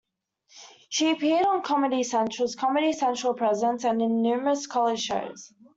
She has appeared on Comedy Central's "Comedy Central Presents" and in numerous college shows.